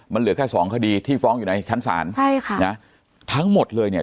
มันเหลือแค่สองคดีที่ฟ้องอยู่ในชั้นศาลใช่ค่ะนะทั้งหมดเลยเนี่ย